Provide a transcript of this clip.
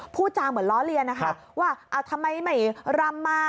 พูดจาเหมือนล้อเลียนนะคะว่าทำไมไม่รำมา